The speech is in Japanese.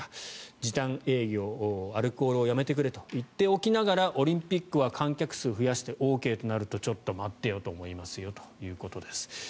時短営業アルコールをやめてくれと言っておきながらオリンピックは観客数を増やしてＯＫとなるとちょっと待ってよと思いますということです。